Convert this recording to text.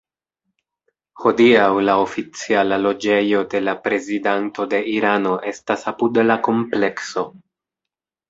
Hodiaŭ, la oficiala loĝejo de la Prezidanto de Irano estas apud la komplekso.